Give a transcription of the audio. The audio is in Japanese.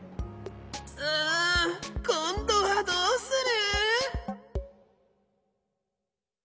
うんこんどはどうする？